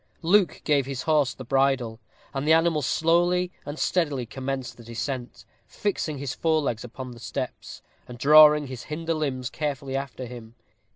Luke gave his horse the bridle, and the animal slowly and steadily commenced the descent, fixing his fore legs upon the steps, and drawing his hinder limbs carefully after him.